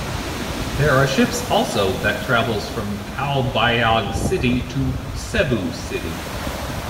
There are ships also that travels from Calbayog City to Cebu City.